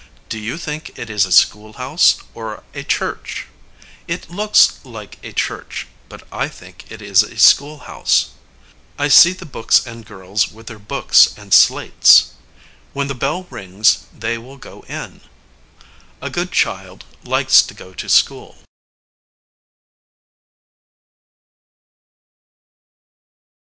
Do you think it is a schoolhouse, or a church? It looks like a church, but I think it is a schoolhouse. I see the boys and girls with their books and slates. When the bell rings, they will go in. A good child likes to go to school.